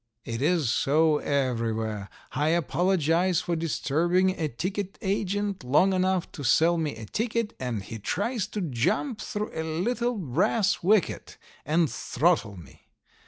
It is so everywhere. I apologize for disturbing a ticket agent long enough to sell me a ticket, and he tries to jump through a little brass wicket and throttle me.